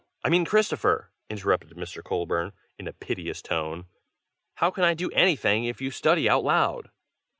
I Mean Christopher!" interrupted Mr. Colburn, in a piteous tone. "How can I do anything if you study out loud?"